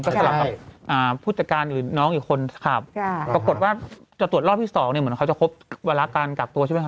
ก็สลับกับผู้จัดการหรือน้องหรือคนขับปรากฏว่าจะตรวจรอบที่สองเนี่ยเหมือนเขาจะครบวาระการกักตัวใช่ไหมค